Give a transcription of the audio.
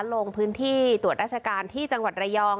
ลงพื้นที่ตรวจราชการที่จังหวัดระยอง